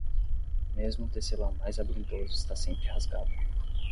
Mesmo o tecelão mais habilidoso está sempre rasgado.